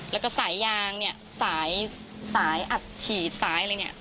แล้วก็สายยางเนี่ยสายสายอัดฉีดสายอะไรเนี่ย